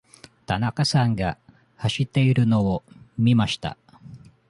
田中さんが走っているのを見ました。